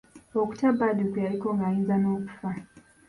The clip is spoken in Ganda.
Okutya Badru kwe yaliko ng'ayinza n'okufa.